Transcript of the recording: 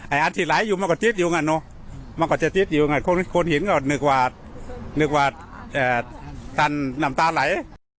ไออันที่ไหลมาก็จิ๊ดอยู่ไงคนหินก็เกิดดูน้ำตาไหล